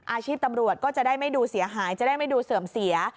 อาชีพตำรวจก็จะได้ไม่ดูเสียหายจะได้ไม่ดูเสื่อมเสีย